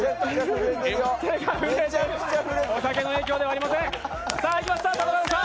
お酒の影響ではありません！